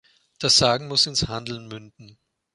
Das Sagen muss ins Handeln münden.